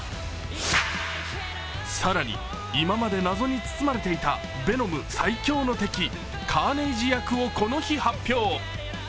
更に、今まで謎に包まれていたヴェノム最強の敵カーネイジ役をこの日、発表。